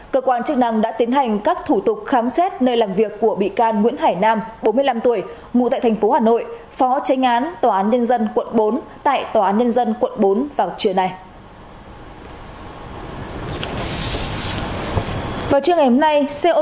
cơ quan chức năng đã tiến hành các thủ tục khám xét nơi làm việc của bị can nguyễn hải nam bốn mươi năm tuổi ngụ tại tp hà nội phó tranh án tòa án nhân dân quận bốn tại tòa án nhân dân quận bốn vào trưa nay